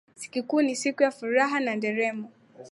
Sikukuu ni siku ya furaha na nderemo.]